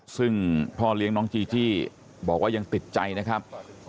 ซึ่งพ่อเลี้ยงน้องจีจี้บอกว่ายังติดใจนะครับ